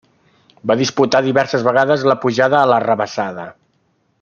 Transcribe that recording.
Va disputar diverses vegades la Pujada a la Rabassada.